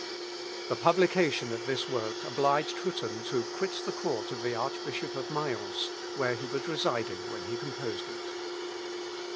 The publication of this work obliged Hütten to quit the court of the Archbishop of Mayence, where he was residing when he composed it.